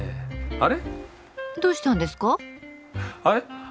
あれ？